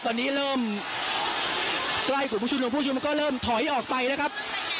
ตอนนี้เริ่มใกล้คุณผู้ชมนุมคุณผู้ชมมันก็เริ่มถอยออกไปนะครับ